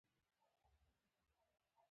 د دې اصول تعلق په نر او ښځې پورې دی.